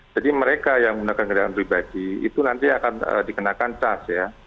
jadi mereka yang menggunakan kendaraan pribadi itu nanti akan dikenakan cas ya